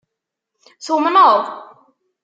Tumneḍ?